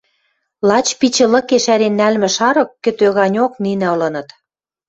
Лач пичӹ лыкеш ӓрен нӓлмӹ шарык кӹтӧ ганьок нинӹ ылыныт...